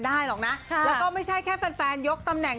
ได้แล้วก็ไม่ใช่แค่แฟนยกก์